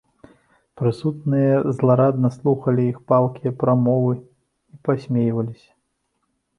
Прысутныя зларадна слухалі іх палкія прамовы і пасмейваліся.